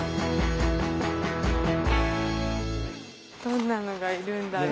どんなのがいるんだろう？